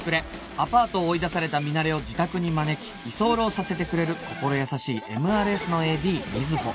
アパートを追い出されたミナレを自宅に招き居候させてくれる心優しい ＭＲＳ の ＡＤ 瑞穂